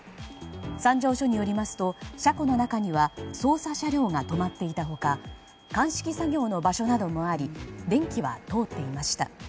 三条署によりますと車庫の中には捜査車両が止まっていた他鑑識作業の場所などもあり電気は通っていました。